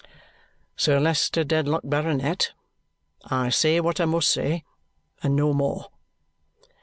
"Sir Leicester Dedlock, Baronet, I say what I must say, and no more."